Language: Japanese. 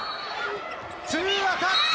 ツーアタック！